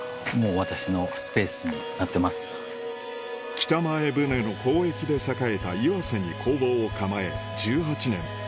北前船の交易で栄えた岩瀬に工房を構え１８年